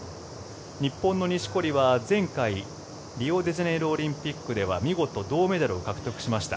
日本の錦織は前回リオデジャネイロオリンピックでは見事銅メダルを獲得しました。